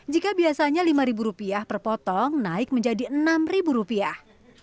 jika biasanya lima rupiah per potong naik menjadi enam ribu rupiah